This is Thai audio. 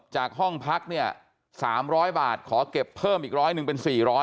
จากห้องพัก๓๐๐บาทขอเก็บเพิ่มอีก๑๐๐นึงเป็น๔๐๐